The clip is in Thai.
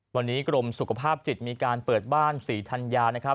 วันนี้กรมสุขภาพจิตมีการเปิดบ้าน๔ธัญญา